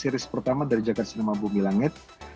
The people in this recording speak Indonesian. series pertama dari jagad cinema bumi langit